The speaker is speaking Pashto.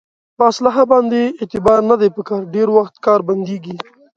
په اصلحه باندې اعتبار نه دی په کار ډېری وخت کار بندېږي.